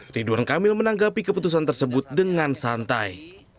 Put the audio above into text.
ridwan kamil menanggapi keputusan tersebut dengan santai